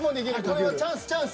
これはチャンスチャンス。